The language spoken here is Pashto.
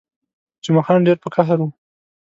جمعه خان ډېر په قهر وو.